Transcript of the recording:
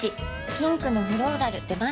ピンクのフローラル出ました